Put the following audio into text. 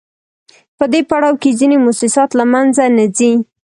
په دې پړاو کې ځینې موسسات له منځه نه ځي